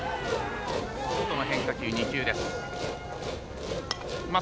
外の変化球、２球です。